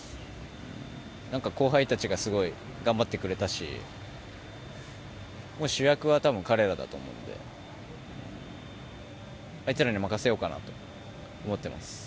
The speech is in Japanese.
後輩たちがすごい頑張ってくれたし主役は多分彼らだと思うのであいつらに任せようかなと思ってます。